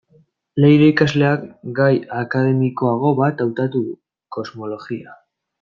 Leire ikasleak, gai akademikoago bat hautatu du: kosmologia.